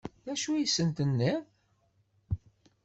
D acu i sent-tenniḍ?